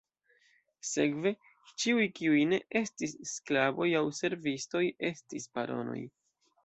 Sekve, ĉiuj kiuj ne estis sklavoj aŭ servistoj estis ""baronoj"".